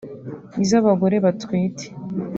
iz’abagore batwite